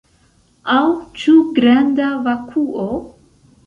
Aŭ ĉu granda vakuo?